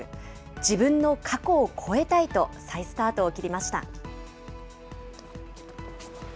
自分の過去を超えたいと、再スタートを切りました。